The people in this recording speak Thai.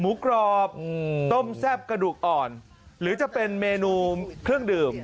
กรอบต้มแซ่บกระดูกอ่อนหรือจะเป็นเมนูเครื่องดื่ม